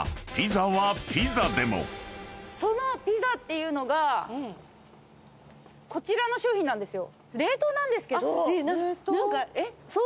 そのピザっていうのがこちらの商品なんですよ。